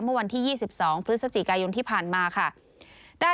เมื่อวันที่๒๒พฤศจิกายนที่ผ่านมาค่ะได้